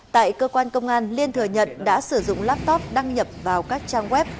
tại cơ quan công an liên thừa nhận đã sử dụng laptop đăng nhập vào các trang web